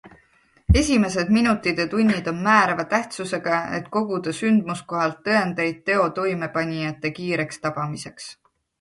Esimesed minutid ja tunnid on määrava tähtsusega, et koguda sündmuskohalt tõendeid teo toimepanijate kiireks tabamiseks.